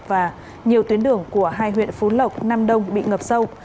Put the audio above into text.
và nhiều tuyến đường của hai huyện phú lộc nam đông bị ngập sâu